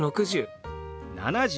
「７０」。